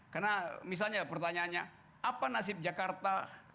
karena misalnya pertanyaannya apa nasib jakarta setelah pindah ibu